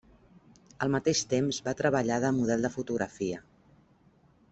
Al mateix temps va treballar de model de fotografia.